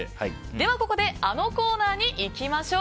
ここで、あのコーナーにいきましょう。